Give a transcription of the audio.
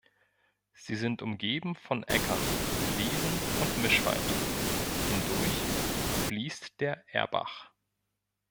Sie sind umgeben von Äckern, Wiesen und Mischwald; hindurch fließt der Erbach.